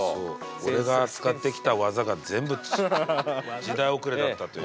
俺が使ってきた技が全部時代遅れだったという。